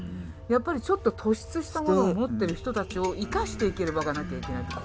やっぱりちょっと突出したものを持ってる人たちを生かしていける場がなきゃいけないと。